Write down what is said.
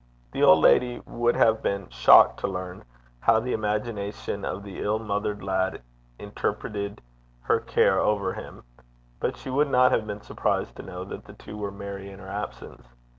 The old lady would have been shocked to learn how the imagination of the ill mothered lad interpreted her care over him, but she would not have been surprised to know that the two were merry in her absence.